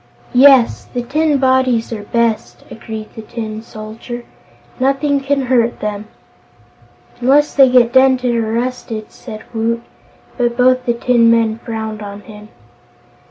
"Yes, the tin bodies are best," agreed the Tin Soldier. "Nothing can hurt them." "Unless they get dented or rusted," said Woot, but both the tin men frowned on him.